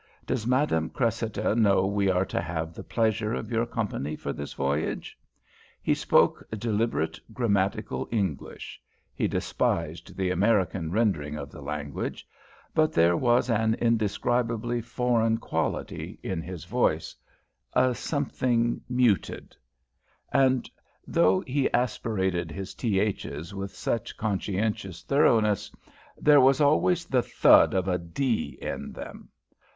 "Does Madame Cressida know we are to have the pleasure of your company for this voyage?" He spoke deliberate, grammatical English he despised the American rendering of the language but there was an indescribably foreign quality in his voice, a something muted; and though he aspirated his "th's" with such conscientious thoroughness, there was always the thud of a "d" in them.